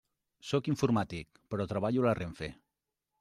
Sóc informàtic, però treballo a la RENFE.